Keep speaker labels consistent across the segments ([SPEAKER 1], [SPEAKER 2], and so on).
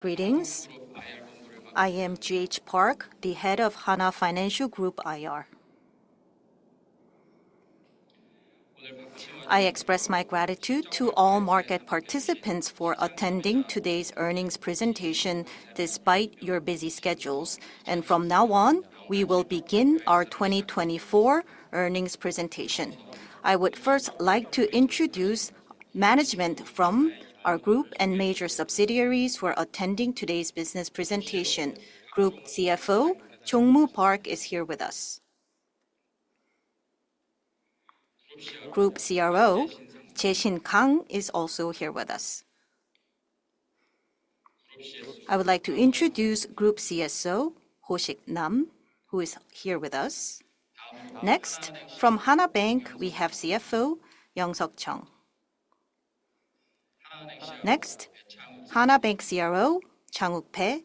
[SPEAKER 1] Greetings. I am Guen-hoon Park, the head of Hana Financial Group IR. I express my gratitude to all market participants for attending today's earnings presentation despite your busy schedules, and from now on, we will begin our 2024 earnings presentation. I would first like to introduce management from our group and major subsidiaries who are attending today's business presentation. Group CFO Park Jong-Moo is here with us. Group CRO Kang Jae-shin is also here with us. I would like to introduce Group CSO Nam Ho-sik, who is here with us. Next, from Hana Bank, we have CFO Chung Yong-seok. Next, Hana Bank CRO Bae Jang-wook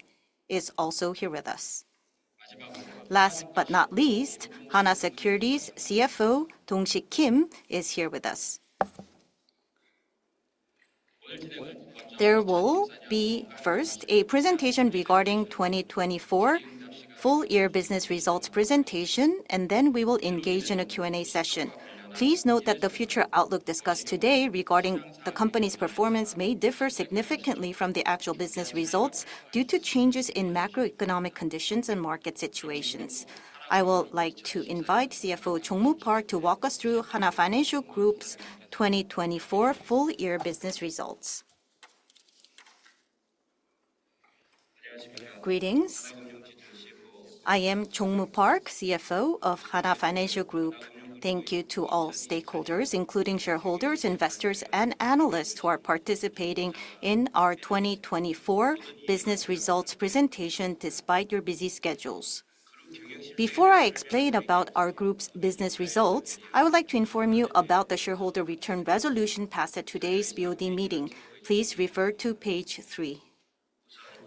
[SPEAKER 1] is also here with us. Last but not least, Hana Securities CFO Kim Dong-Sik is here with us. There will be first a presentation regarding 2024 full-year business results presentation, and then we will engage in a Q&A session. Please note that the future outlook discussed today regarding the company's performance may differ significantly from the actual business results due to changes in macroeconomic conditions and market situations. I would like to invite CFO Jong-Moo Park to walk us through Hana Financial Group's 2024 full-year business results.
[SPEAKER 2] Greetings. I am Jong-Moo Park, CFO of Hana Financial Group. Thank you to all stakeholders, including shareholders, investors, and analysts who are participating in our 2024 business results presentation despite your busy schedules. Before I explain about our group's business results, I would like to inform you about the shareholder return resolution passed at today's BOD meeting. Please refer to page three.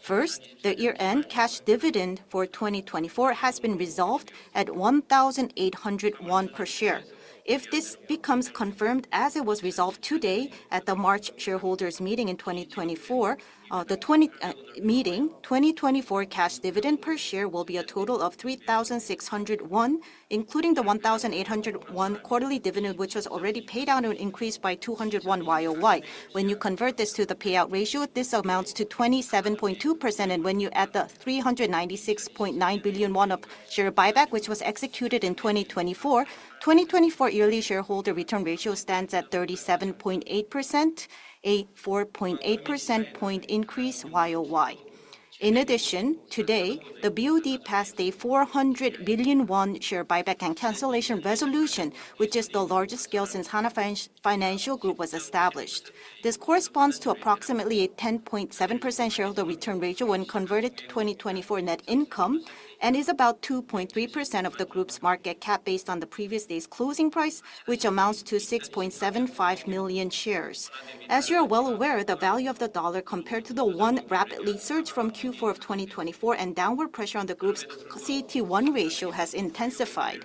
[SPEAKER 2] First, the year-end cash dividend for 2024 has been resolved at 1,801 won per share. If this becomes confirmed as it was resolved today at the March shareholders' meeting in 2024, the 2024 meeting's 2024 cash dividend per share will be a total of 3,601, including the 1,801 quarterly dividend, which was already paid out and increased by 201 YoY. When you convert this to the payout ratio, this amounts to 27.2%, and when you add the 396.9 billion won of share buyback, which was executed in 2024, the 2024 yearly shareholder return ratio stands at 37.8%, a 4.8 percentage point increase YoY. In addition, today, the BOD passed a 400 billion won share buyback and cancellation resolution, which is the largest scale since Hana Financial Group was established. This corresponds to approximately a 10.7% shareholder return ratio when converted to 2024 net income and is about 2.3% of the group's market cap based on the previous day's closing price, which amounts to 6.75 million shares. As you are well aware, the value of the dollar compared to the won rapidly surged from Q4 of 2024, and downward pressure on the group's CET1 ratio has intensified.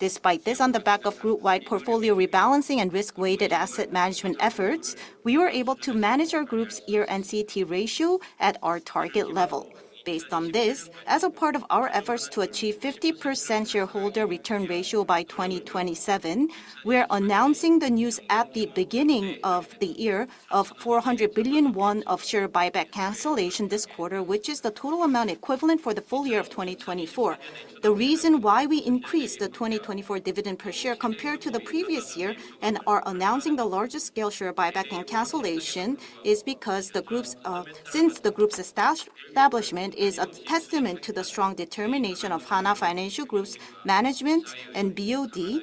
[SPEAKER 2] Despite this, on the back of group-wide portfolio rebalancing and risk-weighted asset management efforts, we were able to manage our group's year-end CET1 ratio at our target level. Based on this, as a part of our efforts to achieve a 50% shareholder return ratio by 2027, we are announcing the news at the beginning of the year of 400 billion won of share buyback cancellation this quarter, which is the total amount equivalent for the full year of 2024. The reason why we increased the 2024 dividend per share compared to the previous year and are announcing the largest scale share buyback and cancellation is because since the group's establishment is a testament to the strong determination of Hana Financial Group's management and BOD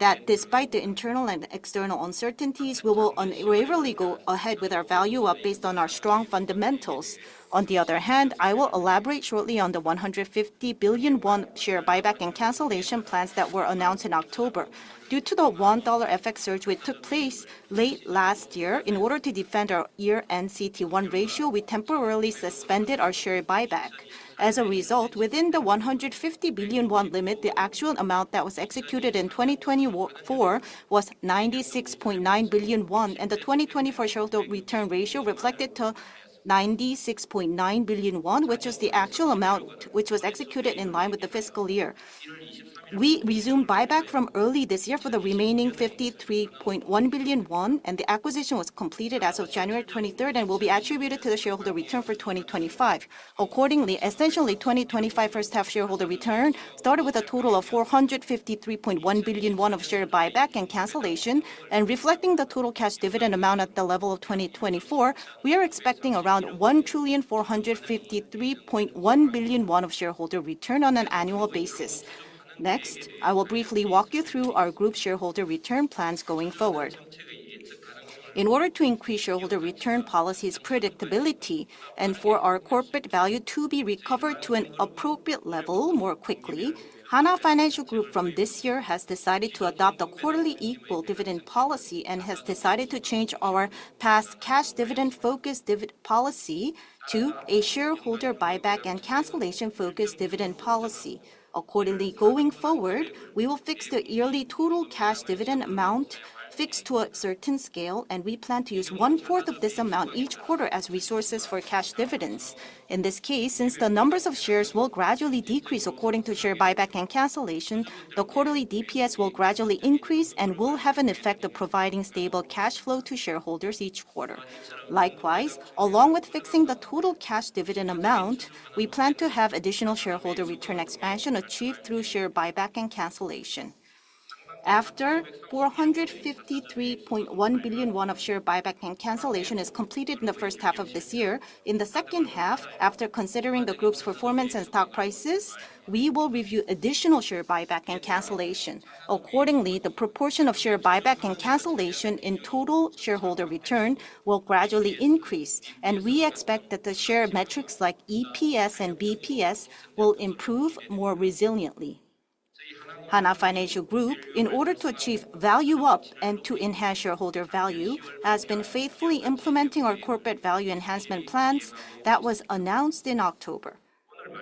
[SPEAKER 2] that despite the internal and external uncertainties, we will unwaveringly go ahead with our Value-up based on our strong fundamentals. On the other hand, I will elaborate shortly on the 150 billion won share buyback and cancellation plans that were announced in October. Due to the $1 effect surge which took place late last year, in order to defend our year-end CET1 ratio, we temporarily suspended our share buyback. As a result, within the 150 billion won limit, the actual amount that was executed in 2024 was 96.9 billion won, and the 2024 shareholder return ratio reflected 96.9 billion won, which is the actual amount which was executed in line with the fiscal year. We resumed buyback from early this year for the remaining 53.1 billion won, and the acquisition was completed as of January 23rd and will be attributed to the shareholder return for 2025. Accordingly, essentially, 2025 first-half shareholder return started with a total of 453.1 billion won of share buyback and cancellation, and reflecting the total cash dividend amount at the level of 2024, we are expecting around 1,453.1 billion won of shareholder return on an annual basis. Next, I will briefly walk you through our group shareholder return plans going forward. In order to increase shareholder return policy's predictability and for our corporate value to be recovered to an appropriate level more quickly, Hana Financial Group from this year has decided to adopt a quarterly equal dividend policy and has decided to change our past cash dividend-focused dividend policy to a shareholder buyback and cancellation-focused dividend policy. Accordingly, going forward, we will fix the yearly total cash dividend amount fixed to a certain scale, and we plan to use one-fourth of this amount each quarter as resources for cash dividends. In this case, since the numbers of shares will gradually decrease according to share buyback and cancellation, the quarterly DPS will gradually increase and will have an effect of providing stable cash flow to shareholders each quarter. Likewise, along with fixing the total cash dividend amount, we plan to have additional shareholder return expansion achieved through share buyback and cancellation. After 453.1 billion won of share buyback and cancellation is completed in the first half of this year, in the second half, after considering the group's performance and stock prices, we will review additional share buyback and cancellation. Accordingly, the proportion of share buyback and cancellation in total shareholder return will gradually increase, and we expect that the share metrics like EPS and BPS will improve more resiliently. Hana Financial Group, in order to achieve value-up and to enhance shareholder value, has been faithfully implementing our corporate value enhancement plans that were announced in October.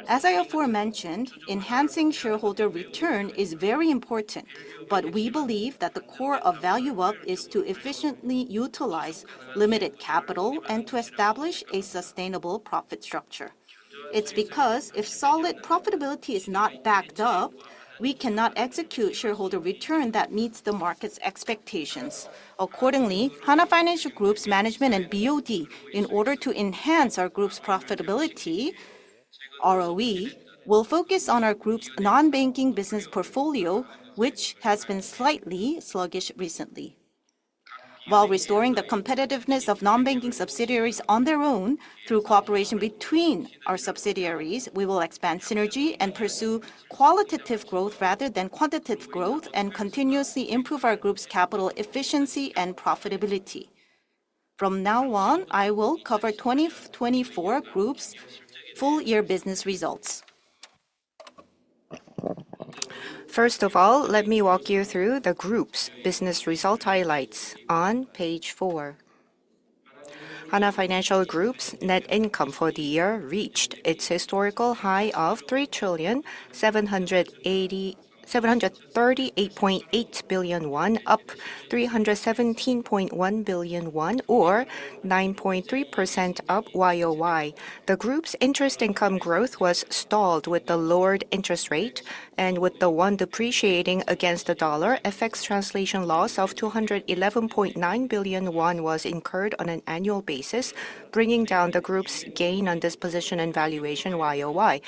[SPEAKER 2] As I aforementioned, enhancing shareholder return is very important, but we believe that the core of value-up is to efficiently utilize limited capital and to establish a sustainable profit structure. It's because if solid profitability is not backed up, we cannot execute shareholder return that meets the market's expectations. Accordingly, Hana Financial Group's management and BOD, in order to enhance our group's profitability, ROE, will focus on our group's non-banking business portfolio, which has been slightly sluggish recently. While restoring the competitiveness of non-banking subsidiaries on their own through cooperation between our subsidiaries, we will expand synergy and pursue qualitative growth rather than quantitative growth and continuously improve our group's capital efficiency and profitability. From now on, I will cover 2024 group's full-year business results. First of all, let me walk you through the group's business result highlights on page four. Hana Financial Group's net income for the year reached its historical high of 3,738.8 billion won, up 317.1 billion won, or 9.3% up YoY. The group's interest income growth was stalled with the lowered interest rate and with the won depreciating against the dollar. FX translation loss of 211.9 billion won was incurred on an annual basis, bringing down the group's gain on disposition and valuation YoY.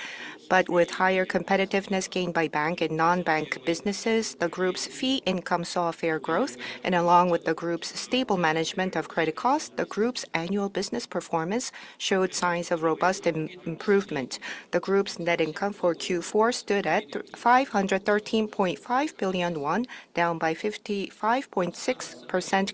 [SPEAKER 2] But with higher competitiveness gained by bank and non-bank businesses, the group's fee income saw fair growth, and along with the group's stable management of credit costs, the group's annual business performance showed signs of robust improvement. The group's net income for Q4 stood at 513.5 billion won, down by 55.6%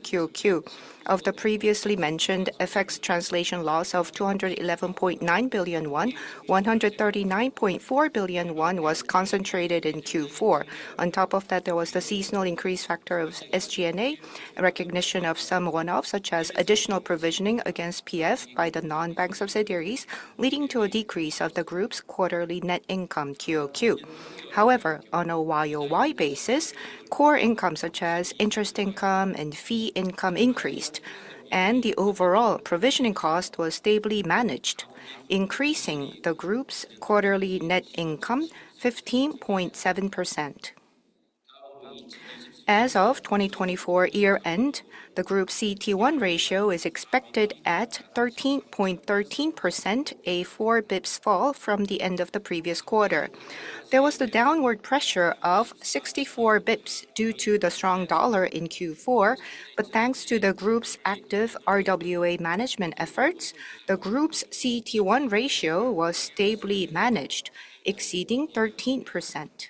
[SPEAKER 2] QoQ. Of the previously mentioned FX translation loss of 211.9 billion won, 139.4 billion won was concentrated in Q4. On top of that, there was the seasonal increase factor of SG&A, recognition of some one-offs such as additional provisioning against PF by the non-bank subsidiaries, leading to a decrease of the group's quarterly net income QoQ. However, on a YoY basis, core income such as interest income and fee income increased, and the overall provisioning cost was stably managed, increasing the group's quarterly net income 15.7%. As of 2024 year-end, the group's CET1 ratio is expected at 13.13%, a four basis points fall from the end of the previous quarter. There was the downward pressure of 64 basis points due to the strong dollar in Q4, but thanks to the group's active RWA management efforts, the group's CET1 ratio was stably managed, exceeding 13%.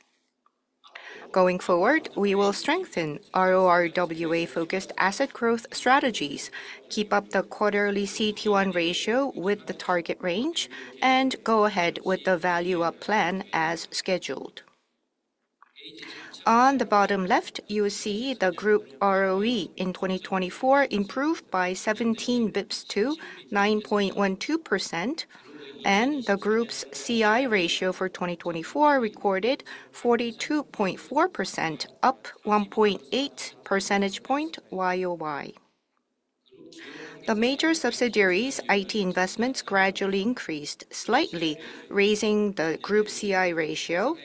[SPEAKER 2] Going forward, we will strengthen our RWA-focused asset growth strategies, keep up the quarterly CET1 ratio with the target range, and go ahead with the value-up plan as scheduled. On the bottom left, you see the group ROE in 2024 improved by 17 basis points to 9.12%, and the group's CI ratio for 2024 recorded 42.4%, up 1.8 percentage points YOY. The major subsidiaries' IT investments gradually increased slightly, raising the group CI ratio,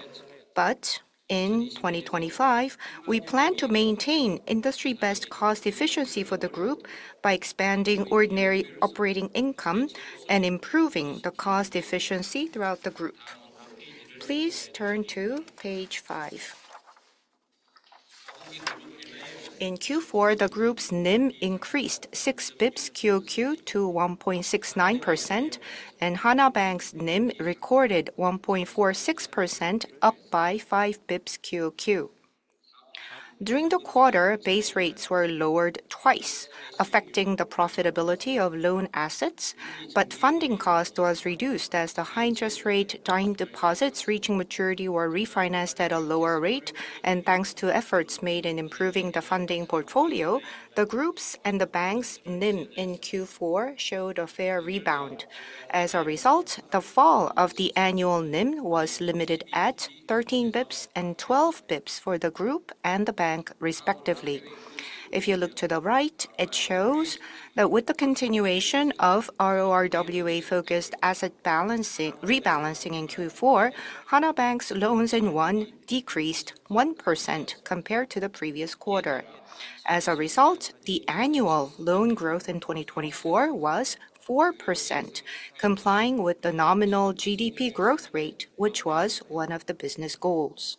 [SPEAKER 2] but in 2025, we plan to maintain industry-best cost efficiency for the group by expanding ordinary operating income and improving the cost efficiency throughout the group. Please turn to page five. In Q4, the group's NIM increased 6 basis points QoQ to 1.69%, and Hana Bank's NIM recorded 1.46%, up by 5 basis points QoQ. During the quarter, base rates were lowered twice, affecting the profitability of loan assets, but funding cost was reduced as the high-interest rate time deposits reaching maturity were refinanced at a lower rate, and thanks to efforts made in improving the funding portfolio, the group's and the bank's NIM in Q4 showed a fair rebound. As a result, the fall of the annual NIM was limited at 13 basis points and 12 basis points for the group and the bank, respectively. If you look to the right, it shows that with the continuation of RORWA-focused asset rebalancing in Q4, Hana Bank's loans in won decreased 1% compared to the previous quarter. As a result, the annual loan growth in 2024 was 4%, complying with the nominal GDP growth rate, which was one of the business goals.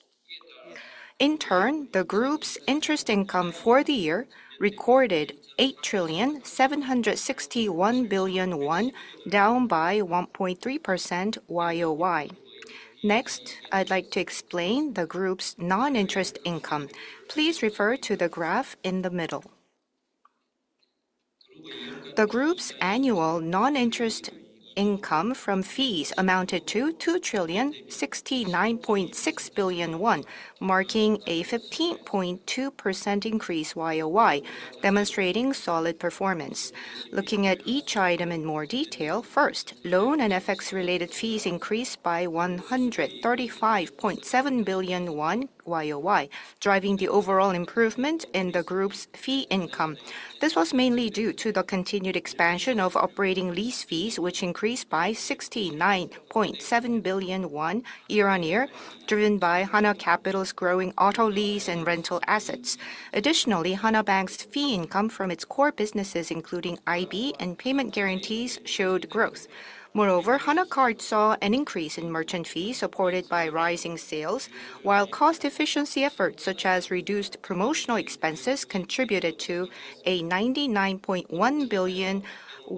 [SPEAKER 2] In turn, the group's interest income for the year recorded 8,761 billion KRW, down by 1.3% YOY. Next, I'd like to explain the group's non-interest income. Please refer to the graph in the middle. The group's annual non-interest income from fees amounted to 2,069.6 billion KRW, marking a 15.2% increase YoY, demonstrating solid performance. Looking at each item in more detail, first, loan and FX-related fees increased by 135.7 billion won YoY, driving the overall improvement in the group's fee income. This was mainly due to the continued expansion of operating lease fees, which increased by 69.7 billion won year-on-year, driven by Hana Capital's growing auto lease and rental assets. Additionally, Hana Bank's fee income from its core businesses, including IB and payment guarantees, showed growth. Moreover, Hana Card saw an increase in merchant fees supported by rising sales, while cost efficiency efforts such as reduced promotional expenses contributed to a 99.1 billion won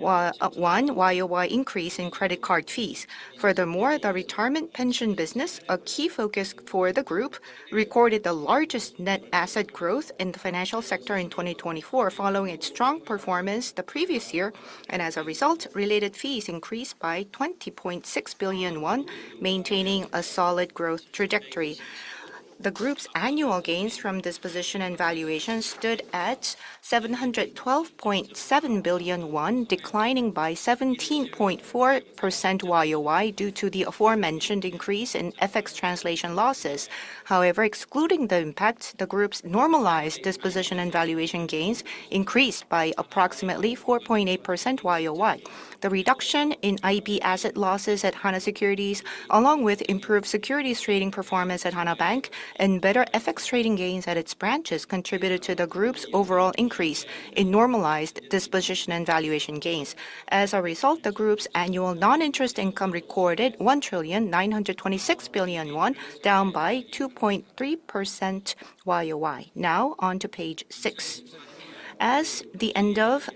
[SPEAKER 2] YoY increase in credit card fees. Furthermore, the retirement pension business, a key focus for the group, recorded the largest net asset growth in the financial sector in 2024, following its strong performance the previous year, and as a result, related fees increased by 20.6 billion won, maintaining a solid growth trajectory. The group's annual gains from disposition and valuation stood at 712.7 billion won, declining by 17.4% YoY due to the aforementioned increase in FX translation losses. However, excluding the impact, the group's normalized disposition and valuation gains increased by approximately 4.8% YoY. The reduction in IB asset losses at Hana Securities, along with improved securities trading performance at Hana Bank and better FX trading gains at its branches, contributed to the group's overall increase in normalized disposition and valuation gains. As a result, the group's annual non-interest income recorded 1,926 billion won, down by 2.3% YoY. Now on to page six. As of the end of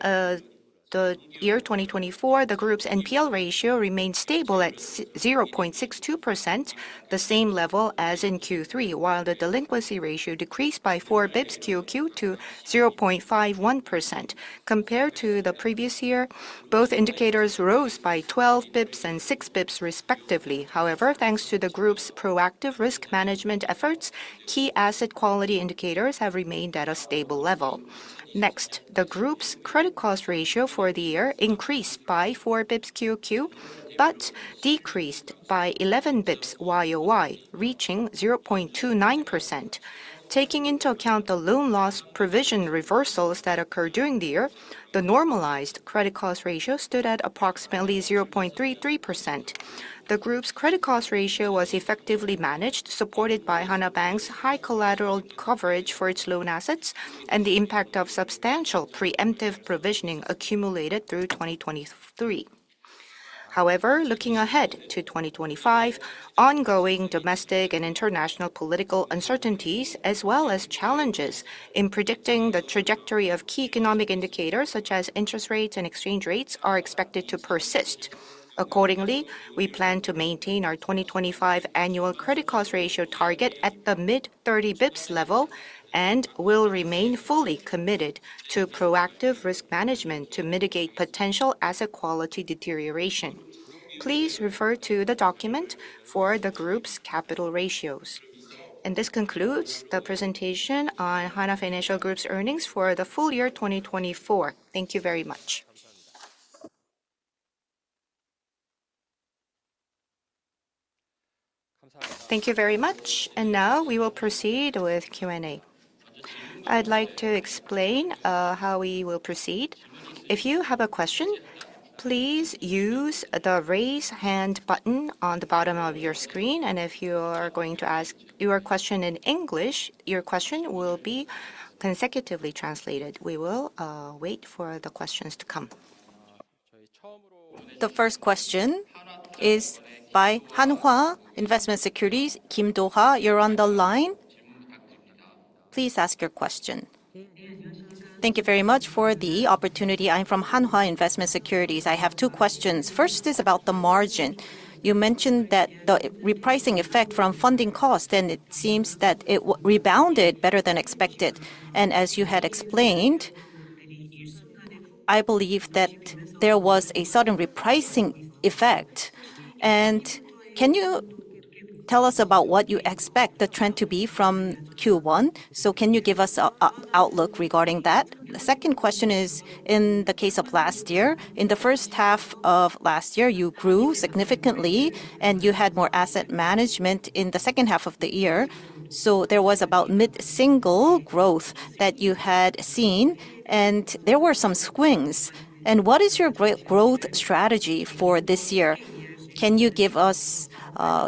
[SPEAKER 2] the year 2024, the group's NPL ratio remained stable at 0.62%, the same level as in Q3, while the delinquency ratio decreased by 4 basis points QoQ to 0.51%. Compared to the previous year, both indicators rose by 12 basis points and 6 basis points, respectively. However, thanks to the group's proactive risk management efforts, key asset quality indicators have remained at a stable level. Next, the group's credit cost ratio for the year increased by four basis points QoQ but decreased by 11 basis points YoY, reaching 0.29%. Taking into account the loan loss provision reversals that occurred during the year, the normalized credit cost ratio stood at approximately 0.33%. The group's credit cost ratio was effectively managed, supported by Hana Bank's high collateral coverage for its loan assets and the impact of substantial preemptive provisioning accumulated through 2023. However, looking ahead to 2025, ongoing domestic and international political uncertainties, as well as challenges in predicting the trajectory of key economic indicators such as interest rates and exchange rates, are expected to persist. Accordingly, we plan to maintain our 2025 annual credit cost ratio target at the mid-30 basis points level and will remain fully committed to proactive risk management to mitigate potential asset quality deterioration. Please refer to the document for the group's capital ratios. And this concludes the presentation on Hana Financial Group's Earnings For The Full Year 2024. Thank you very much. Thank you very much. And now we will proceed with Q&A. I'd like to explain how we will proceed. If you have a question, please use the raise hand button on the bottom of your screen. And if you are going to ask your question in English, your question will be consecutively translated. We will wait for the questions to come.
[SPEAKER 3] The first question is by Hanwha Investment & Securities, Kim Do-ha. You're on the line. Please ask your question.
[SPEAKER 4] Thank you very much for the opportunity. I'm from Hanwha Investment & Securities. I have two questions. First is about the margin. You mentioned that the repricing effect from funding cost, and it seems that it rebounded better than expected. And as you had explained, I believe that there was a sudden repricing effect. And can you tell us about what you expect the trend to be from Q1? So can you give us an outlook regarding that? The second question is, in the case of last year, in the first half of last year, you grew significantly, and you had more asset management in the second half of the year. So there was about mid-single growth that you had seen, and there were some swings. And what is your growth strategy for this year? Can you give us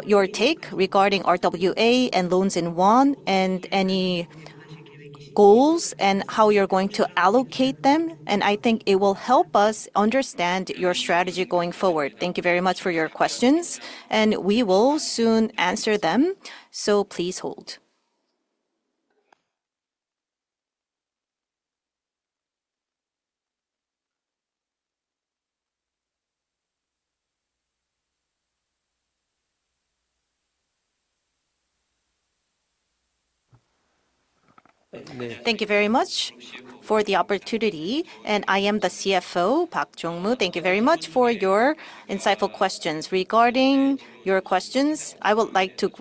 [SPEAKER 4] your take regarding RWA and loans in won and any goals and how you're going to allocate them? I think it will help us understand your strategy going forward.
[SPEAKER 3] Thank you very much for your questions, and we will soon answer them. So please hold.
[SPEAKER 2] Thank you very much for the opportunity. And I am the CFO, Park Jong-Moo. Thank you very much for your insightful questions. Regarding your questions, I would like to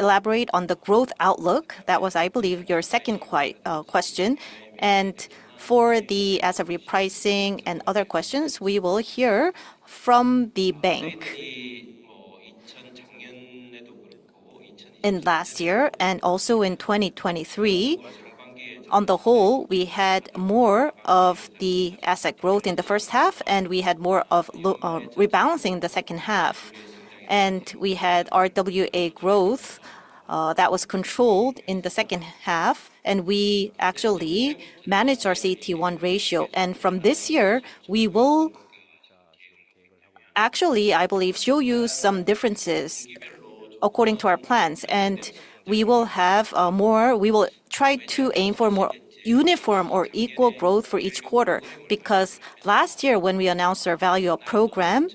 [SPEAKER 2] elaborate on the growth outlook. That was, I believe, your second question. And for the asset repricing and other questions, we will hear from the bank. In last year and also in 2023, on the whole, we had more of the asset growth in the first half, and we had more of rebalancing in the second half. And we had RWA growth that was controlled in the second half. And we actually managed our CET1 ratio. And from this year, we will actually, I believe, show you some differences according to our plans. We will have more. We will try to aim for more uniform or equal growth for each quarter. Because last year, when we announced our Value-up program,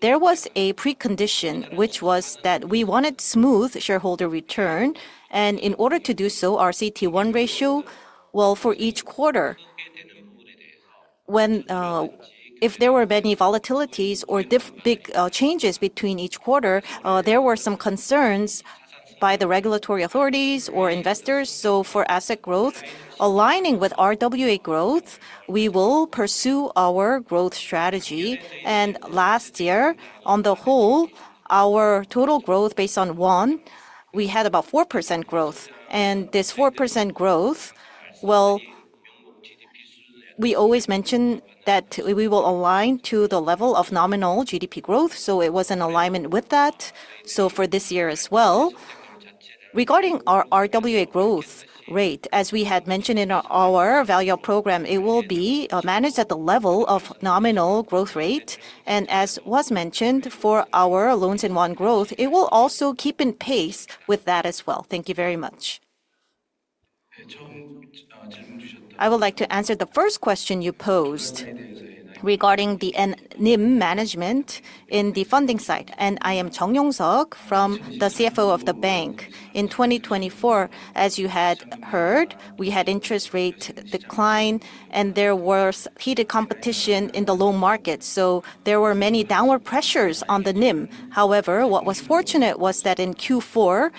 [SPEAKER 2] there was a precondition, which was that we wanted smooth shareholder return. And in order to do so, our CET1 ratio, well, for each quarter, if there were many volatilities or big changes between each quarter, there were some concerns by the regulatory authorities or investors. So for asset growth, aligning with RWA growth, we will pursue our growth strategy. And last year, on the whole, our total growth based on won, we had about 4% growth. And this 4% growth, well, we always mention that we will align to the level of nominal GDP growth. So it was in alignment with that. For this year as well, regarding our RWA growth rate, as we had mentioned in our value-up program, it will be managed at the level of nominal growth rate. As was mentioned for our loans in won growth, it will also keep in pace with that as well. Thank you very much.
[SPEAKER 5] I would like to answer the first question you posed regarding the NIM management in the funding side. I am Chung Yong-seok, the CFO of the bank. In 2024, as you had heard, we had interest rate decline, and there was heated competition in the loan market. There were many downward pressures on the NIM. However, what was fortunate was that in Q4,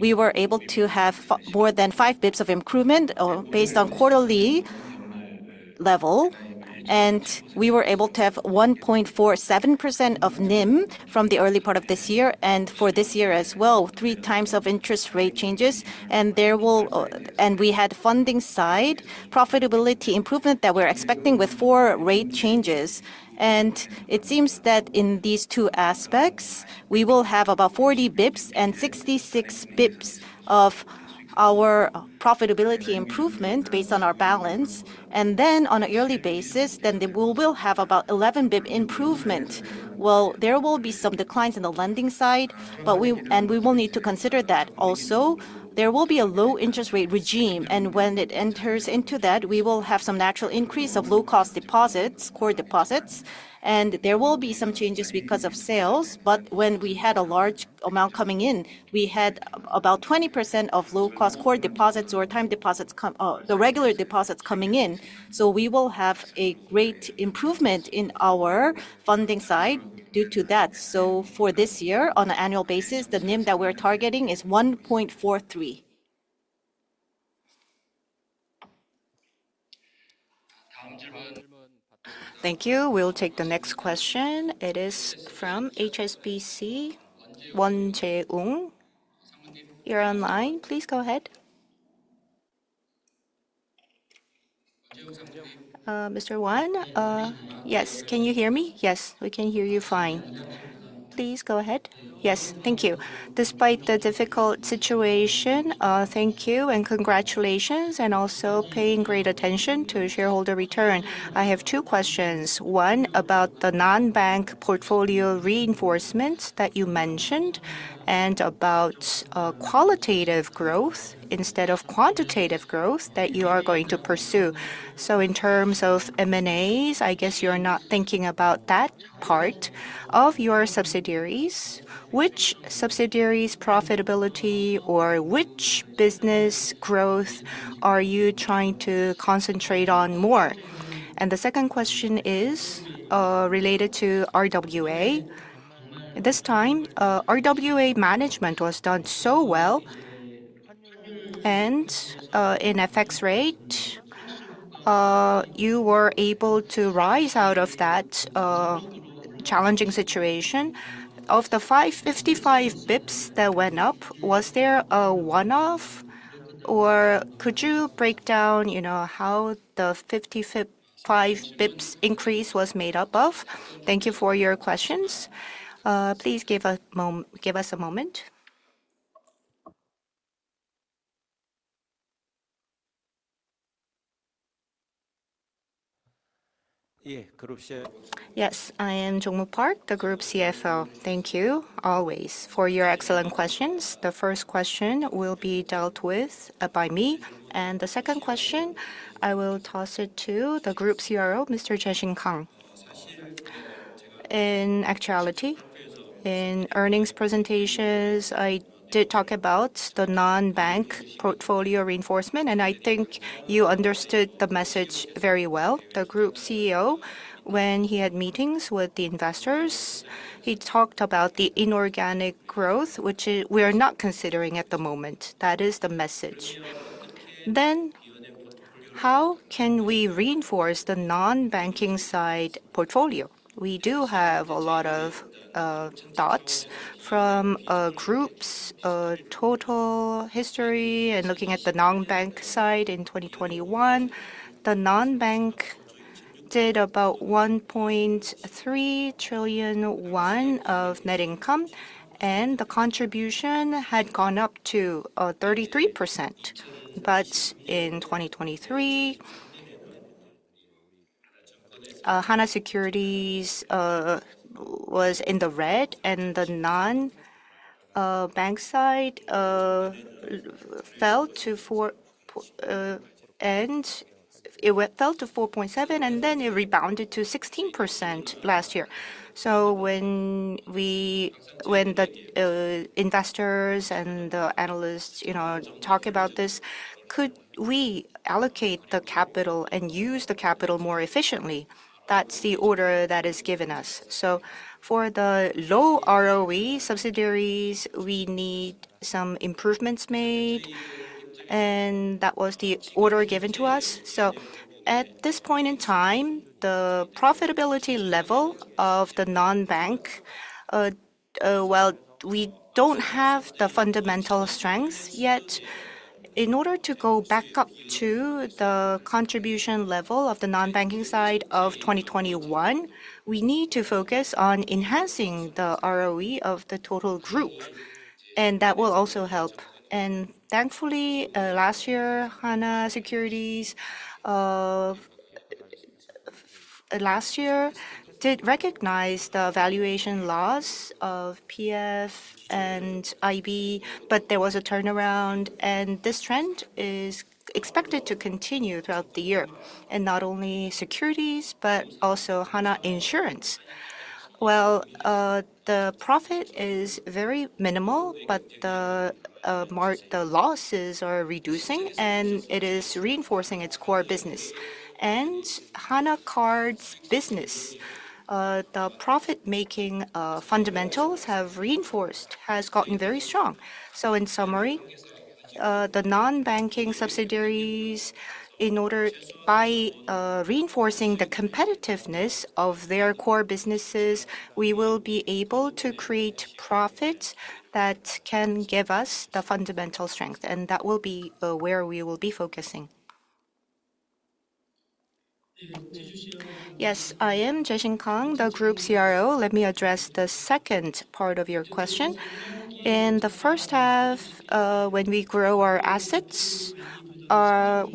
[SPEAKER 5] we were able to have more than 5 basis points of improvement based on quarterly level. And we were able to have 1.47% of NIM from the early part of this year. And for this year as well, three times of interest rate changes. And there will, and we had funding side profitability improvement that we're expecting with four rate changes. And it seems that in these two aspects, we will have about 40 basis points and 66 basis points of our profitability improvement based on our balance. And then on an early basis, then we will have about 11 basis point improvement. Well, there will be some declines in the lending side, but we will need to consider that. Also, there will be a low interest rate regime. And when it enters into that, we will have some natural increase of low-cost deposits, core deposits. And there will be some changes because of sales. But when we had a large amount coming in, we had about 20% of low-cost core deposits or time deposits, the regular deposits coming in. So we will have a great improvement in our funding side due to that. So for this year, on an annual basis, the NIM that we're targeting is 1.43.
[SPEAKER 3] Thank you. We'll take the next question. It is from HSBC, Won Jae-woong. You're online. Please go ahead. Mr. Won
[SPEAKER 6] yes, can you hear me?
[SPEAKER 3] Yes, we can hear you fine. Please go ahead.
[SPEAKER 6] Yes, thank you. Despite the difficult situation, thank you and congratulations. And also paying great attention to shareholder return. I have two questions. One about the non-bank portfolio reinforcements that you mentioned and about qualitative growth instead of quantitative growth that you are going to pursue. So in terms of M&As, I guess you're not thinking about that part of your subsidiaries. Which subsidiaries' profitability or which business growth are you trying to concentrate on more, and the second question is related to RWA. This time, RWA management was done so well, and in FX rate, you were able to rise out of that challenging situation. Of the 555 basis points that went up, was there a one-off or could you break down how the 55 basis points increase was made up of?
[SPEAKER 3] Thank you for your questions. Please give us a moment.
[SPEAKER 2] Yes, I am Jong-Moo Park, the Group CFO. Thank you always for your excellent questions. The first question will be dealt with by me, and the second question, I will toss it to the Group CRO, Mr. Jae-shin Kang. In actuality, in earnings presentations, I did talk about the non-bank portfolio reinforcement, and I think you understood the message very well. The Group CEO, when he had meetings with the investors, he talked about the inorganic growth, which we are not considering at the moment. That is the message. Then how can we reinforce the non-banking side portfolio? We do have a lot of thoughts from group's total history. And looking at the non-bank side in 2021, the non-bank did about 1.3 trillion won of net income. And the contribution had gone up to 33%. But in 2023, Hana Securities was in the red. And the non-bank side fell to 4.7%. And then it rebounded to 16% last year. So when the investors and the analysts talk about this, could we allocate the capital and use the capital more efficiently? That's the order that is given us. So for the low ROE subsidiaries, we need some improvements made. And that was the order given to us. At this point in time, the profitability level of the non-bank, well, we don't have the fundamental strength yet. In order to go back up to the contribution level of the non-banking side of 2021, we need to focus on enhancing the ROE of the total group. And that will also help. And thankfully, last year, Hana Securities last year did recognize the valuation loss of PF and IB. But there was a turnaround. And this trend is expected to continue throughout the year. And not only securities, but also Hana Insurance. Well, the profit is very minimal, but the losses are reducing. And it is reinforcing its core business. And Hana Card's business, the profit-making fundamentals have reinforced, has gotten very strong. So, in summary, the non-banking subsidiaries, in order by reinforcing the competitiveness of their core businesses, we will be able to create profits that can give us the fundamental strength. And that will be where we will be focusing.
[SPEAKER 7] Yes, I am Jae-shin Kang, the Group CRO. Let me address the second part of your question. In the first half, when we grow our assets,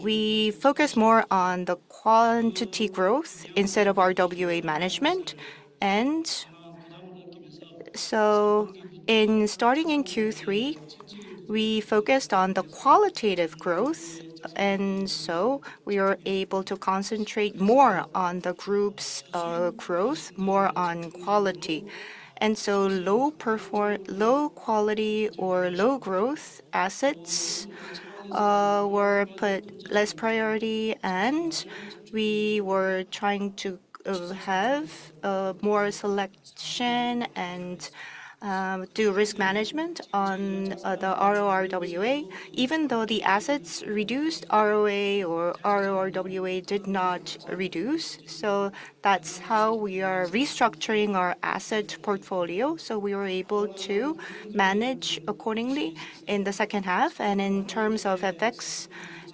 [SPEAKER 7] we focus more on the quantity growth instead of RWA management. And so, in starting in Q3, we focused on the qualitative growth. And so we are able to concentrate more on the group's growth, more on quality. And so low quality or low growth assets were put less priority. And we were trying to have more selection and do risk management on the RORWA. Even though the assets reduced, ROA or RORWA did not reduce. So that's how we are restructuring our asset portfolio. So we were able to manage accordingly in the second half. And in terms of FX,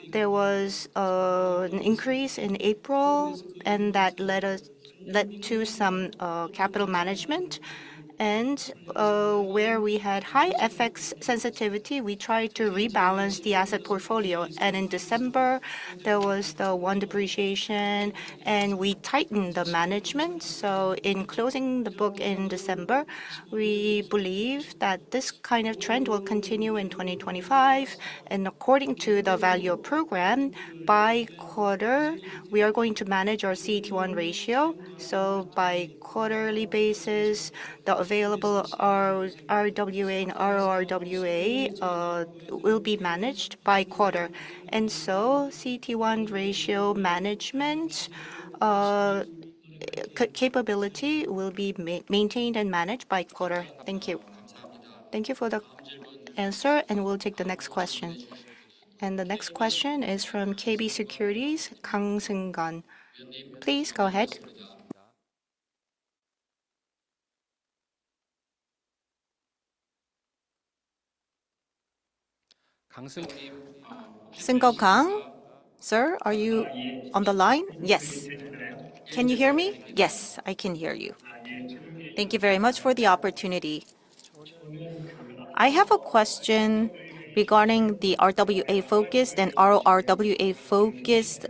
[SPEAKER 7] there was an increase in April. And that led to some capital management. And where we had high FX sensitivity, we tried to rebalance the asset portfolio. And in December, there was the won depreciation. And we tightened the management. So in closing the book in December, we believe that this kind of trend will continue in 2025. And according to the value-up program, by quarter, we are going to manage our CET1 ratio. So by quarterly basis, the available RWA and RORWA will be managed by quarter. And so CET1 ratio management capability will be maintained and managed by quarter. Thank you.
[SPEAKER 3] Thank you for the answer. And we'll take the next question. And the next question is from KB Securities, Kang Seung-gun. Please go ahead.
[SPEAKER 2] Kang Seung-gun, sir, are you on the line?
[SPEAKER 8] Yes. Can you hear me? Yes, I can hear you. Thank you very much for the opportunity. I have a question regarding the RWA-focused and RORWA-focused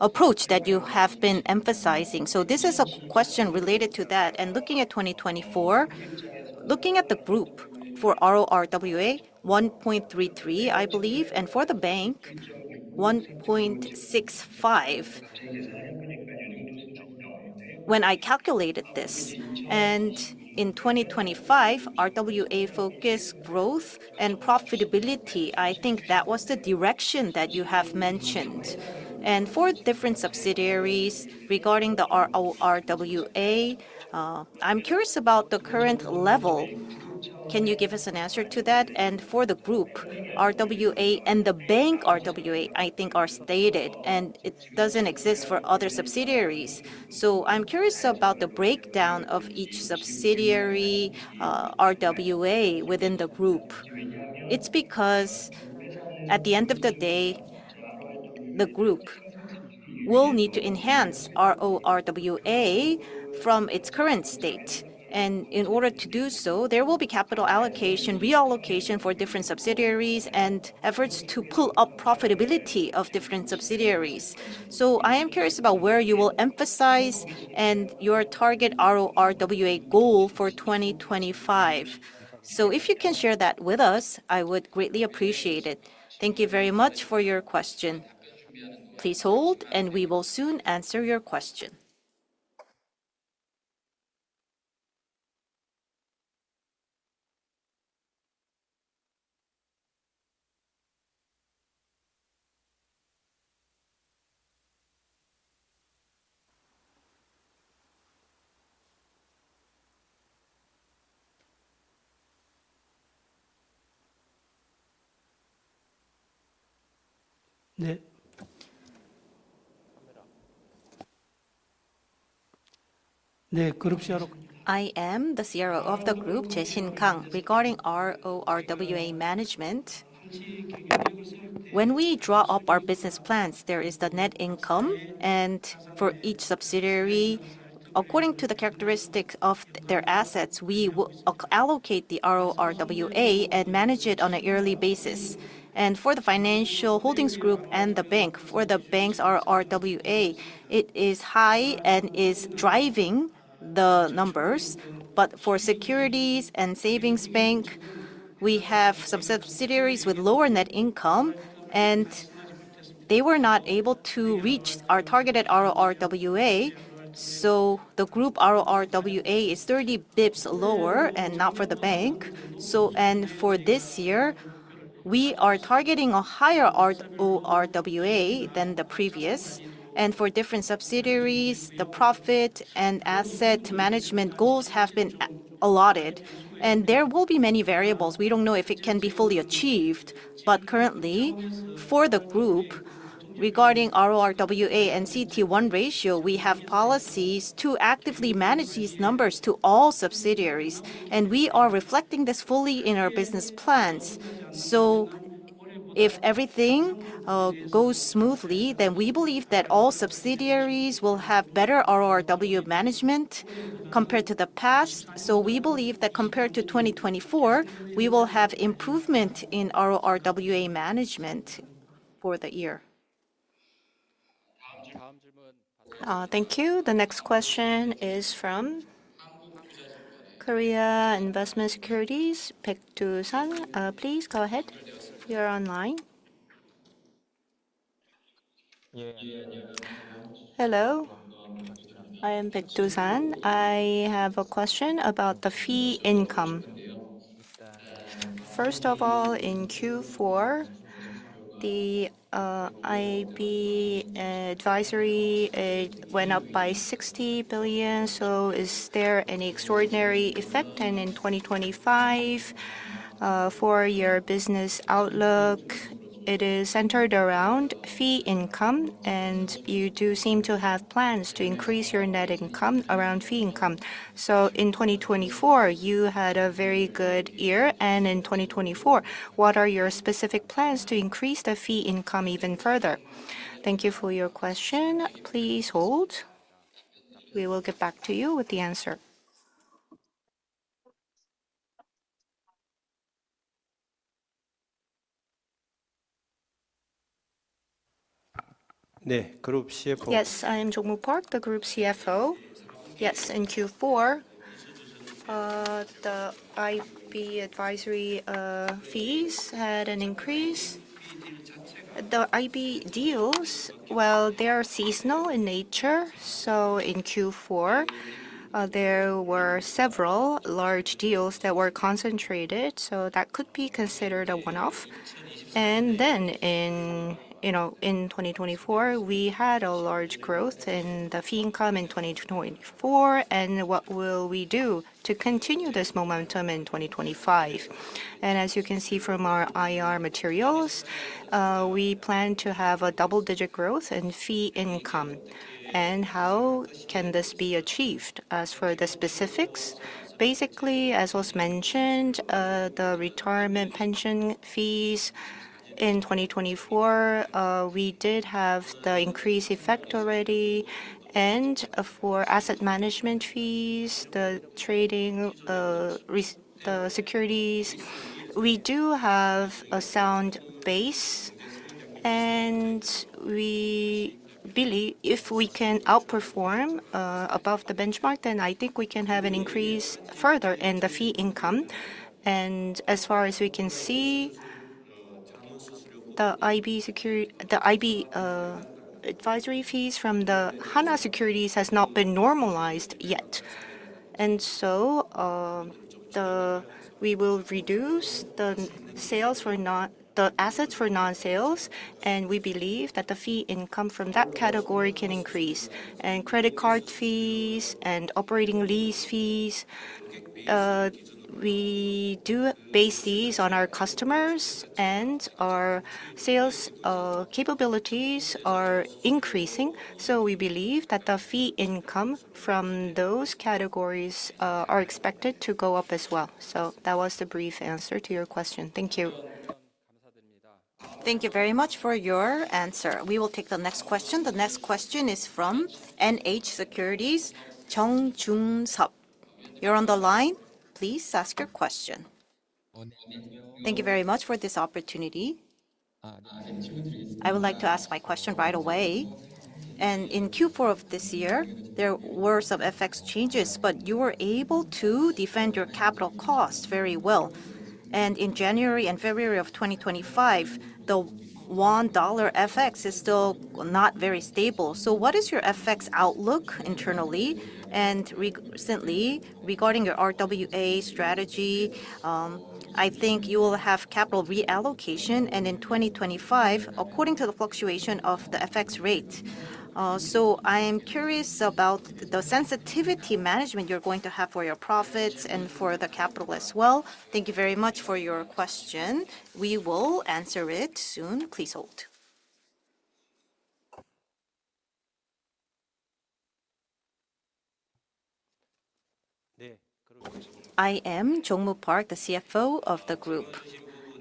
[SPEAKER 8] approach that you have been emphasizing. So this is a question related to that. And looking at 2024, looking at the group for RORWA, 1.33, I believe. And for the bank, 1.65 when I calculated this. And in 2025, RWA-focused growth and profitability, I think that was the direction that you have mentioned. And for different subsidiaries regarding the RORWA, I'm curious about the current level. Can you give us an answer to that? And for the group, RWA and the bank RWA, I think, are stated. And it doesn't exist for other subsidiaries. So I'm curious about the breakdown of each subsidiary RWA within the group. It's because at the end of the day, the group will need to enhance RORWA from its current state. In order to do so, there will be capital allocation, reallocation for different subsidiaries, and efforts to pull up profitability of different subsidiaries. So I am curious about where you will emphasize and your target RORWA goal for 2025. So if you can share that with us, I would greatly appreciate it. Thank you very much for your question.
[SPEAKER 3] Please hold, and we will soon answer your question.
[SPEAKER 7] I am the CRO of the group, Kang Jae-shin. Regarding RORWA management, when we draw up our business plans, there is the net income. For each subsidiary, according to the characteristics of their assets, we will allocate the RORWA and manage it on a yearly basis. For the financial holdings group and the bank, for the bank's RORWA, it is high and is driving the numbers. But for securities and savings bank, we have some subsidiaries with lower net income. And they were not able to reach our targeted RORWA. So the group RORWA is 30 basis points lower and not for the bank. And for this year, we are targeting a higher RORWA than the previous. And for different subsidiaries, the profit and asset management goals have been allotted. And there will be many variables. We don't know if it can be fully achieved. But currently, for the group, regarding RORWA and CET1 ratio, we have policies to actively manage these numbers to all subsidiaries. And we are reflecting this fully in our business plans. So if everything goes smoothly, then we believe that all subsidiaries will have better RORWA management compared to the past. We believe that compared to 2024, we will have improvement in RORWA management for the year.
[SPEAKER 3] Thank you. The next question is from Korea Investment Securities, Baek Do-san. Please go ahead. You're online.
[SPEAKER 9] Hello. I am Baek Do-san. I have a question about the fee income. First of all, in Q4, the IB advisory went up by 60 billion. So is there any extraordinary effect? And in 2025, for your business outlook, it is centered around fee income. And you do seem to have plans to increase your net income around fee income. So in 2024, you had a very good year. And in 2024, what are your specific plans to increase the fee income even further?
[SPEAKER 3] Thank you for your question. Please hold. We will get back to you with the answer.
[SPEAKER 2] Yes, I am Jong-Moo Park, the Group CFO. Yes, in Q4, the IB advisory fees had an increase. The IB deals, well, they are seasonal in nature. So in Q4, there were several large deals that were concentrated. So that could be considered a one-off, and then in 2024, we had a large growth in the fee income in 2024, and what will we do to continue this momentum in 2025? And as you can see from our IR materials, we plan to have a double-digit growth in fee income, and how can this be achieved? As for the specifics, basically, as was mentioned, the retirement pension fees in 2024, we did have the increased effect already, and for asset management fees, the trading, the securities, we do have a sound base, and we believe if we can outperform above the benchmark, then I think we can have an increase further in the fee income. As far as we can see, the IB advisory fees from Hana Securities has not been normalized yet. So we will reduce the assets for non-sales. We believe that the fee income from that category can increase. Credit card fees and operating lease fees, we do base these on our customers. Our sales capabilities are increasing. So we believe that the fee income from those categories are expected to go up as well. That was the brief answer to your question. Thank you.
[SPEAKER 3] Thank you very much for your answer. We will take the next question. The next question is from NH Securities, Jung Jun-sup. You're on the line. Please ask your question.
[SPEAKER 10] Thank you very much for this opportunity. I would like to ask my question right away. In Q4 of this year, there were some FX changes. But you were able to defend your capital cost very well. And in January and February of 2025, the $1 FX is still not very stable. So what is your FX outlook internally? And recently, regarding your RWA strategy, I think you will have capital reallocation. And in 2025, according to the fluctuation of the FX rate. So I am curious about the sensitivity management you're going to have for your profits and for the capital as well.
[SPEAKER 3] Thank you very much for your question. We will answer it soon. Please hold.
[SPEAKER 2] I am Jong-Moo Park, the CFO of the Group.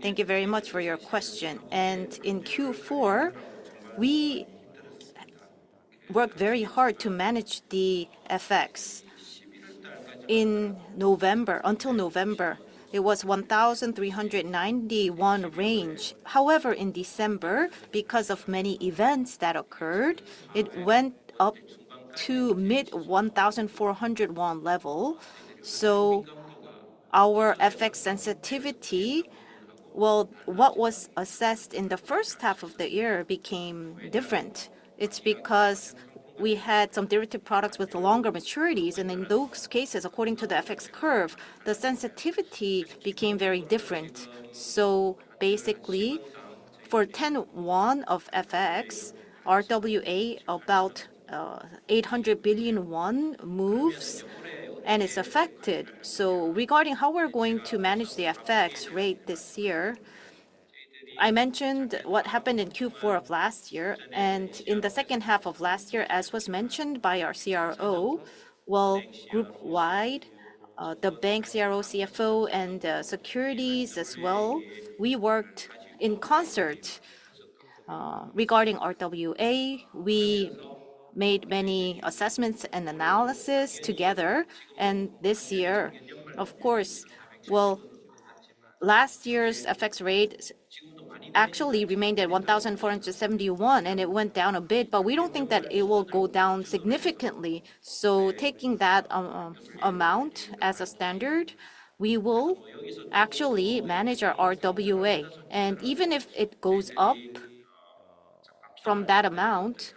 [SPEAKER 2] Thank you very much for your question. And in Q4, we worked very hard to manage the FX. Until November, it was 1,391 range. However, in December, because of many events that occurred, it went up to mid-1,401 level. Our FX sensitivity, well, what was assessed in the first half of the year became different. It's because we had some derivative products with longer maturities. And in those cases, according to the FX curve, the sensitivity became very different. So basically, for 10 won of FX, RWA about 800 billion won moves. And it's affected. So regarding how we're going to manage the FX rate this year, I mentioned what happened in Q4 of last year. And in the second half of last year, as was mentioned by our CRO, well, group-wide, the bank CRO, CFO, and securities as well, we worked in concert regarding RWA. We made many assessments and analysis together. And this year, of course, well, last year's FX rate actually remained at 1,471. And it went down a bit. But we don't think that it will go down significantly. So taking that amount as a standard, we will actually manage our RWA. And even if it goes up from that amount,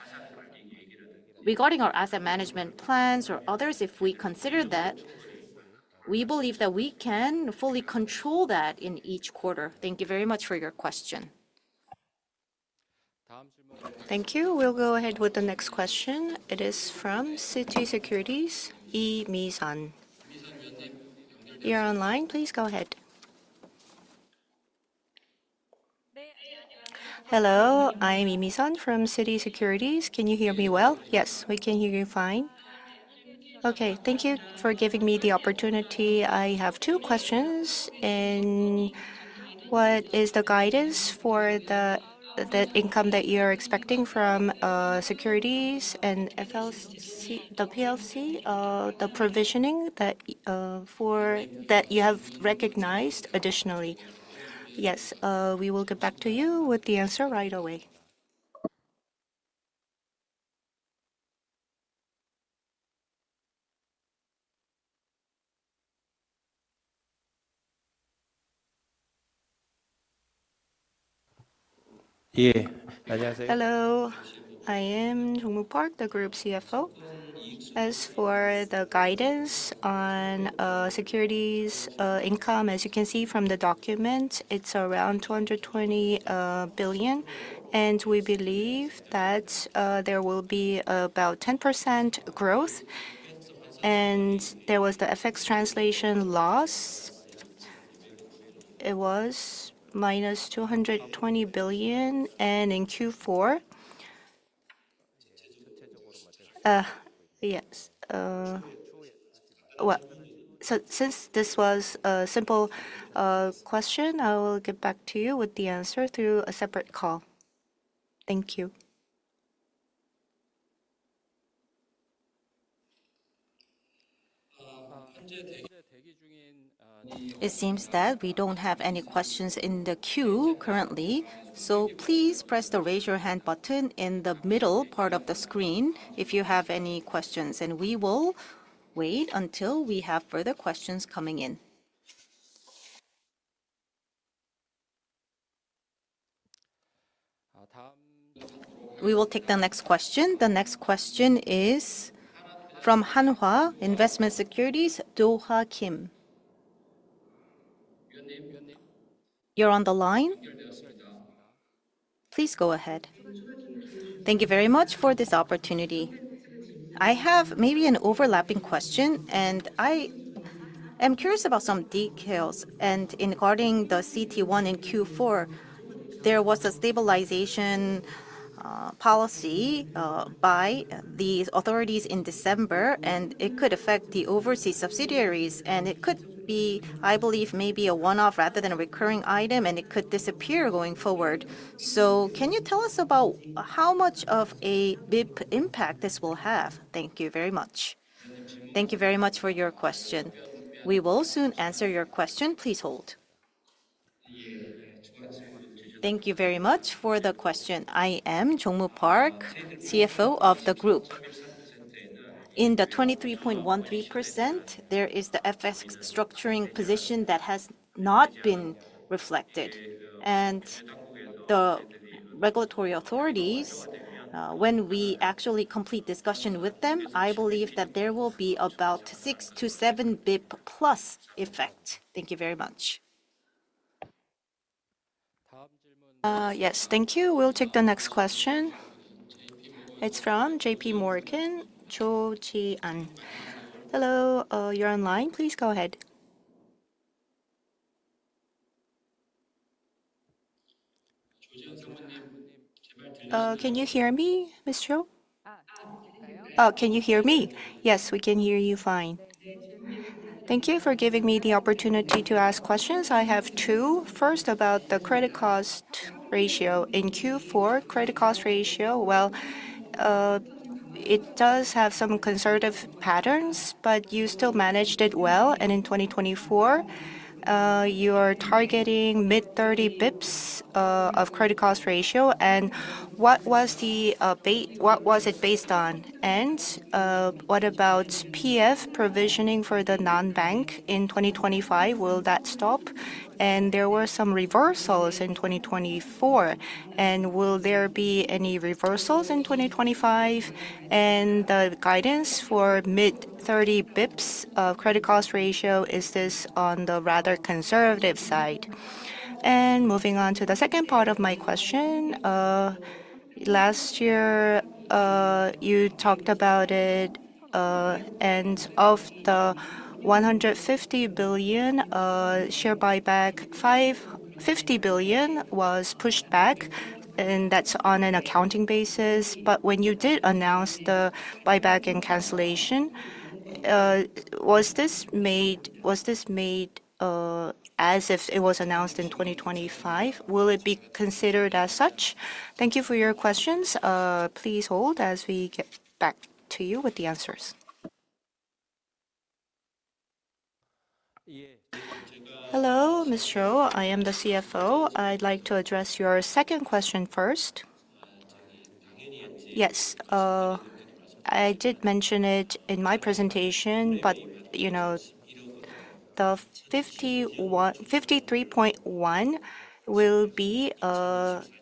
[SPEAKER 2] regarding our asset management plans or others, if we consider that, we believe that we can fully control that in each quarter. Thank you very much for your question.
[SPEAKER 3] Thank you. We'll go ahead with the next question. It is from Citi Securities, Lee Miseon. You're online. Please go ahead.
[SPEAKER 11] Hello. I am Lee Miseon from Citi Securities. Can you hear me well?
[SPEAKER 2] Yes, we can hear you fine.
[SPEAKER 11] Okay. Thank you for giving me the opportunity. I have two questions. And what is the guidance for the income that you're expecting from securities and the PLC, the provisioning that you have recognized additionally?
[SPEAKER 3] Yes, we will get back to you with the answer right away. Yeah.
[SPEAKER 2] Hello. I am Jong-Moo Park, the Group CFO. As for the guidance on securities income, as you can see from the document, it's around 220 billion. And we believe that there will be about 10% growth. And there was the FX translation loss. It was minus 220 billion. And in Q4, yes. Well, since this was a simple question, I will get back to you with the answer through a separate call. Thank you.
[SPEAKER 3] It seems that we don't have any questions in the queue currently. So please press the raise your hand button in the middle part of the screen if you have any questions. And we will wait until we have further questions coming in. We will take the next question. The next question is from Hanwha Investment & Securities, Kim Do-ha. You're on the line. Please go ahead.
[SPEAKER 4] Thank you very much for this opportunity. I have maybe an overlapping question. I am curious about some details. Regarding the CET1 in Q4, there was a stabilization policy by these authorities in December. It could affect the overseas subsidiaries. It could be, I believe, maybe a one-off rather than a recurring item. It could disappear going forward. Can you tell us about how much of a basis points impact this will have? Thank you very much.
[SPEAKER 3] Thank you very much for your question. We will soon answer your question. Please hold.
[SPEAKER 2] Thank you very much for the question.I am Jong-Moo Park, CFO of the group. In the 23.13%, there is the FX structuring position that has not been reflected. The regulatory authorities, when we actually complete discussion with them, I believe that there will be about 6 to 7 basis points plus effect. Thank you very much.
[SPEAKER 3] Yes, thank you. We'll take the next question. It's from JP Morgan, Cho Jee-hyun. Hello. You're online. Please go ahead. Can you hear me, Ms. Cho? Can you hear me?
[SPEAKER 12] Yes, we can hear you fine. Thank you for giving me the opportunity to ask questions. I have two. First, about the credit cost ratio. In Q4, credit cost ratio, well, it does have some conservative patterns. But you still managed it well. And in 2024, you are targeting mid-30 basis points of credit cost ratio. And what was it based on? And what about PF provisioning for the non-bank in 2025? Will that stop? And there were some reversals in 2024. And will there be any reversals in 2025? And the guidance for mid-30 basis points of credit cost ratio, is this on the rather conservative side? And moving on to the second part of my question. Last year, you talked about it. Of the 150 billion share buyback, 50 billion was pushed back. That's on an accounting basis. When you did announce the buyback and cancellation, was this made as if it was announced in 2025? Will it be considered as such?
[SPEAKER 3] Thank you for your questions. Please hold as we get back to you with the answers.
[SPEAKER 2] Hello, Ms. Jo. I am the CFO. I'd like to address your second question first. Yes, I did mention it in my presentation. The 53.1 billion will be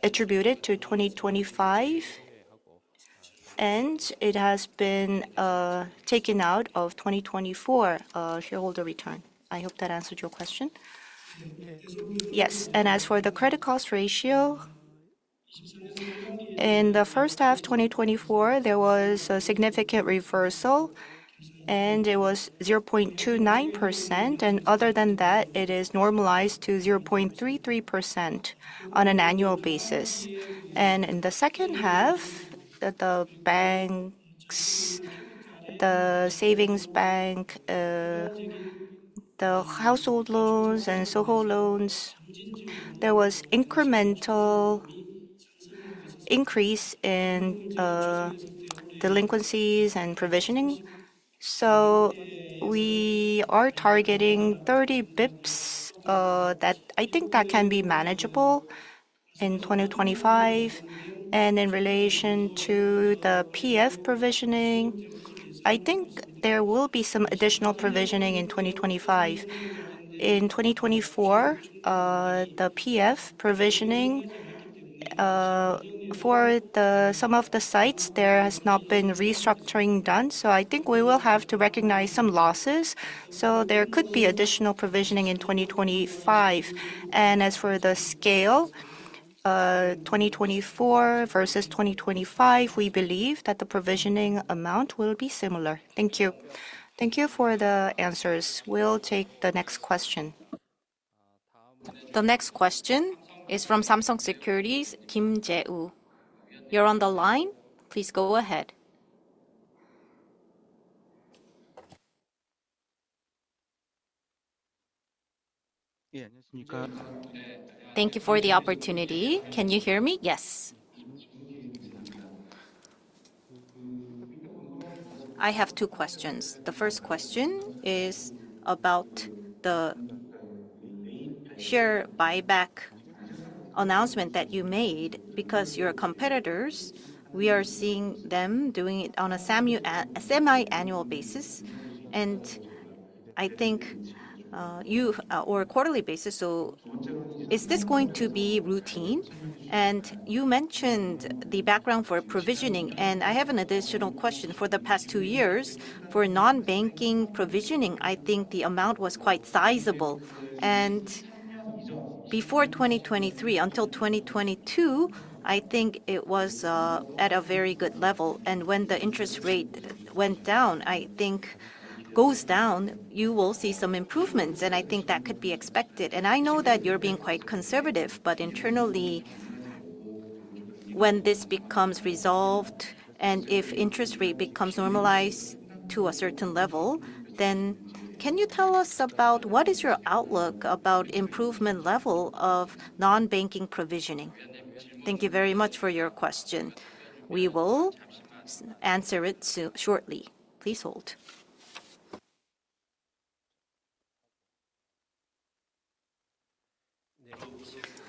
[SPEAKER 2] attributed to 2025. It has been taken out of 2024 shareholder return. I hope that answered your question. Yes. As for the credit cost ratio, in the first half of 2024, there was a significant reversal. It was 0.29%. Other than that, it is normalized to 0.33% on an annual basis. And in the second half, the banks, the savings bank, the household loans, and SOHO loans, there was incremental increase in delinquencies and provisioning. So we are targeting 30 basis points that I think can be manageable in 2025. And in relation to the PF provisioning, I think there will be some additional provisioning in 2025. In 2024, the PF provisioning for some of the sites, there has not been restructuring done. So I think we will have to recognize some losses. So there could be additional provisioning in 2025. And as for the scale, 2024 versus 2025, we believe that the provisioning amount will be similar. Thank you.
[SPEAKER 12] Thank you for the answers.
[SPEAKER 2] We'll take the next question.
[SPEAKER 3] The next question is from Samsung Securities, Kim Jae-woo. You're on the line. Please go ahead.
[SPEAKER 13] Thank you for the opportunity. Can you hear me?
[SPEAKER 2] Yes.
[SPEAKER 13] I have two questions. The first question is about the share buyback announcement that you made. Because your competitors, we are seeing them doing it on a semi-annual basis. And I think you on a quarterly basis. So is this going to be routine? And you mentioned the background for provisioning. And I have an additional question. For the past two years, for non-banking provisioning, I think the amount was quite sizable. And before 2023, until 2022, I think it was at a very good level. And when the interest rate went down, I think it goes down, you will see some improvements. And I think that could be expected. And I know that you're being quite conservative. But internally, when this becomes resolved, and if interest rate becomes normalized to a certain level, then can you tell us about what is your outlook about improvement level of non-banking provisioning?
[SPEAKER 3] Thank you very much for your question. We will answer it shortly. Please hold.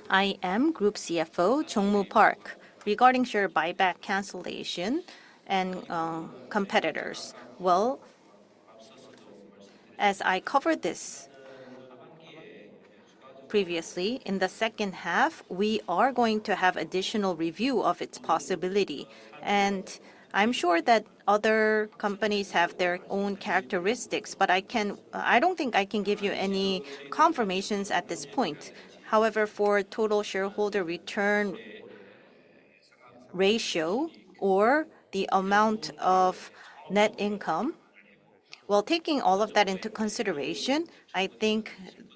[SPEAKER 2] I am Group CFO, Jong-Moo Park. Regarding share buyback cancellation and competitors, well, as I covered this previously, in the second half, we are going to have additional review of its possibility. And I'm sure that other companies have their own characteristics. But I don't think I can give you any confirmations at this point. However, for total shareholder return ratio or the amount of net income, well, taking all of that into consideration, I think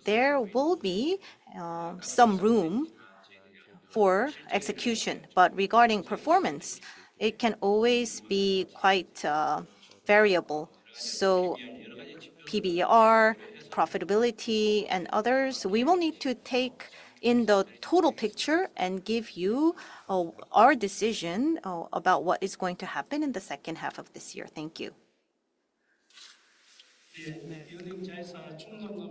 [SPEAKER 2] there will be some room for execution. But regarding performance, it can always be quite variable. So PBR, profitability, and others, we will need to take in the total picture and give you our decision about what is going to happen in the second half of this year. Thank you.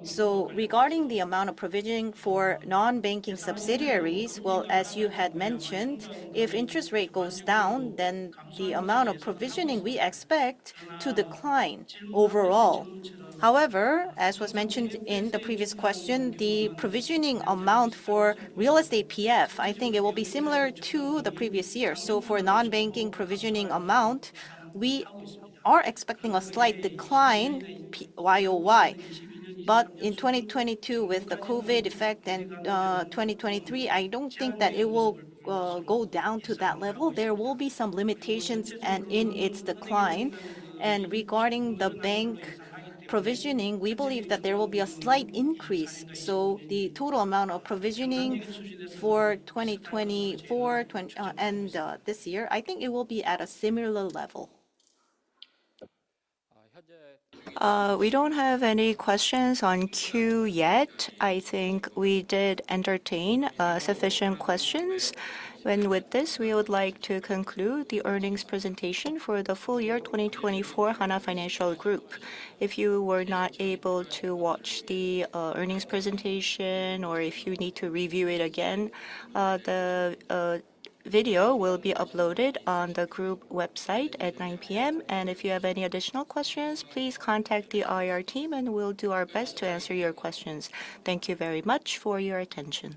[SPEAKER 2] So, regarding the amount of provisioning for non-banking subsidiaries, well, as you had mentioned, if interest rate goes down, then the amount of provisioning we expect to decline overall. However, as was mentioned in the previous question, the provisioning amount for real estate PF, I think it will be similar to the previous year. So for non-banking provisioning amount, we are expecting a slight decline YOY. But in 2022, with the COVID effect and 2023, I don't think that it will go down to that level. There will be some limitations in its decline. And regarding the bank provisioning, we believe that there will be a slight increase. So the total amount of provisioning for 2024 and this year, I think it will be at a similar level. We don't have any questions in the queue yet. I think we did entertain sufficient questions.
[SPEAKER 3] With this, we would like to conclude the earnings presentation for the full year 2024 Hana Financial Group. If you were not able to watch the earnings presentation, or if you need to review it again, the video will be uploaded on the group website at 9:00 P.M. If you have any additional questions, please contact the IR team. We'll do our best to answer your questions. Thank you very much for your attention.